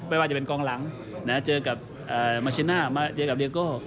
ไม่ว่าจะเป็นกองหลังเจอกับมาชิน่ามาเจอกับเดียโก้